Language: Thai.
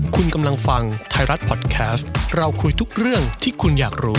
คุณกำลังฟังไทยรัฐพอดแคสต์เราคุยทุกเรื่องที่คุณอยากรู้